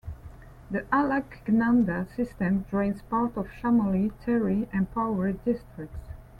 The Alaknanda system drains parts of Chamoli, Tehri, and Pauri districts.